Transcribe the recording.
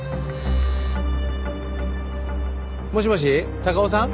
もしもし高尾さん？